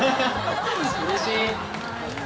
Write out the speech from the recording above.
うれしい。